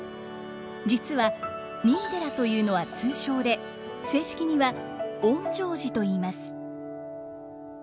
実は「三井寺」というのは通称で正式には「園城寺」といいます。